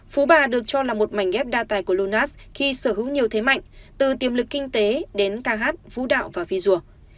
phú bà được cho là một mảnh ghép đa tài của lunas khi sở hữu nhiều thế mạnh từ tiềm lực kinh tế đến ca hát vũ đạo và visual